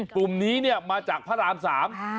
กลุ่มนี้เนี่ยมาจากพระรามสาม